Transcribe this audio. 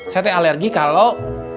saya alergi kalau